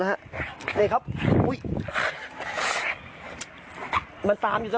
ที่คออีกครับมันทำไมตาม